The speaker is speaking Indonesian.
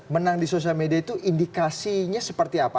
menang di sosial media itu indikasinya seperti apa